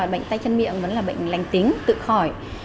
chín mươi chín bệnh tay chân miệng vẫn là bệnh lành tính tự khỏi